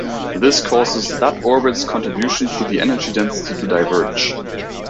This causes that orbit's contribution to the energy density to diverge.